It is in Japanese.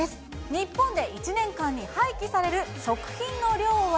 日本で１年間に廃棄される食品の量は？